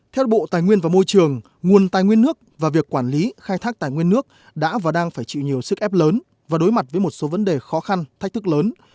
theo bộ tài nguyên và môi trường nguồn tài nguyên nước và việc quản lý khai thác tài nguyên nước đã và đang phải chịu nhiều sức ép lớn và đối mặt với một số vấn đề khó khăn thách thức lớn